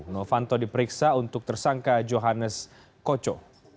novanto diperiksa untuk tersangka johannes koco